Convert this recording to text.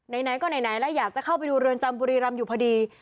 ไหนก็ไหนแล้วอยากจะเข้าไปดูเรือนจำบุรีรำอยู่พอดี